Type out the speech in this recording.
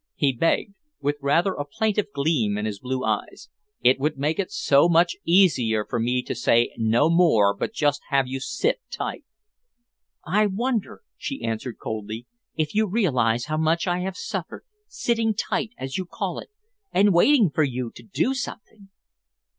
he begged, with rather a plaintive gleam in his blue eyes. "It would make it so much easier for me to say no more but just have you sit tight." "I wonder," she answered coldly, "if you realise how much I have suffered, sitting tight, as you call it, and waiting for you to do something!"